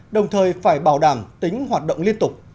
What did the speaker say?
đồng thời phải bảo đảm tính hoạt động liên tục